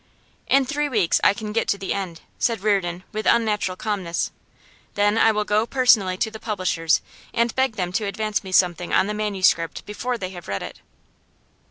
'In three weeks I can get to the end,' said Reardon, with unnatural calmness. 'Then I will go personally to the publishers, and beg them to advance me something on the manuscript before they have read it.